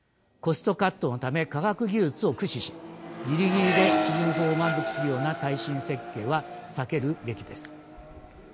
コストカットのため科学技術を駆使しギリギリで基準法を満足するような耐震設計は避けるべきです。